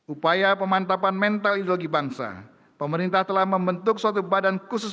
upaya pemantapan mental ideologi bangsa pemerintah telah membentuk suatu badan khusus